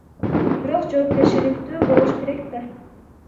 Бирок жоопкерчиликтүү болуш керек да.